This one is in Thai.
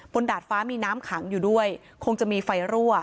ดาดฟ้ามีน้ำขังอยู่ด้วยคงจะมีไฟรั่ว